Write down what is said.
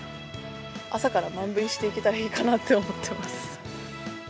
朝からマン振りしていけたらいいかなって思ってます。